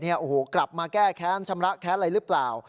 โอ้โหกลับมาแก้แค้นชำระแค้นอะไรหรือเปล่า